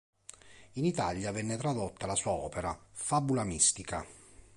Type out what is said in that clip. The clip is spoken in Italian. In Italia, venne tradotta la sua opera “Fabula mistica.